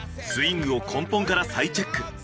スイングを根本から再チェック。